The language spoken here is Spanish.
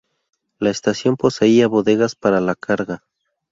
La estación poseía bodegas para la carga.